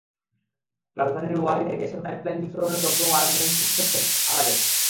রাজধানীর ওয়ারীতে গ্যাসের পাইপলাইন বিস্ফোরণে দগ্ধ হওয়া আরেকজন চিকিৎসাধীন অবস্থায় মারা গেছেন।